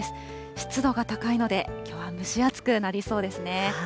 湿度が高いので、きょうは蒸し暑くなりそうですね。